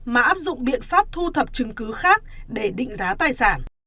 mà áp dụng biện pháp thu thập chứng cứ khác để định giá tài sản